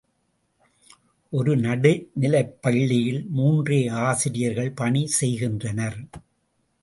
ஒரு நடுநிலைப்பள்ளியில் மூன்றே ஆசிரியர்கள் பணி செய்கின்றனர்.